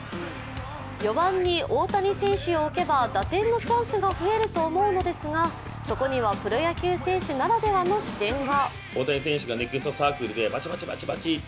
４番に大谷選手を置けば打点のチャンスが増えると思うのですが、そこにはプロ野球選手ならではの視点が。